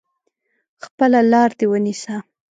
خپله لار دي ونیسه !